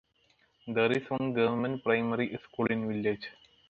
There is one government primary school in village.